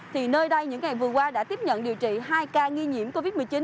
thì nơi đây những ngày vừa qua đã tiếp nhận điều trị hai ca nghi nhiễm covid một mươi chín